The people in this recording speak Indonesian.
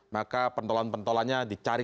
maka pentolohan pentolohannya dicari